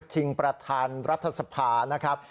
เพื่อจริงประธานรัฐสภานะครับ